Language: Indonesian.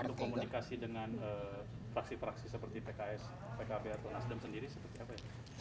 untuk komunikasi dengan fraksi fraksi seperti pks pkb atau nasdem sendiri seperti apa ya